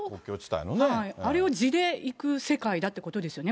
あれを地でいく世界だということですよね。